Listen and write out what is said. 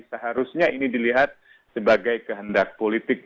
seharusnya ini dilihat sebagai kehendak politik